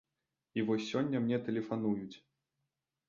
І вось сёння мне тэлефануюць.